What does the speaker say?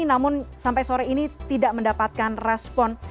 namun sampai sore ini tidak mendapatkan respon